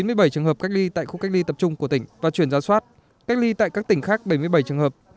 chín mươi bảy trường hợp cách ly tại khu cách ly tập trung của tỉnh và chuyển ra soát cách ly tại các tỉnh khác bảy mươi bảy trường hợp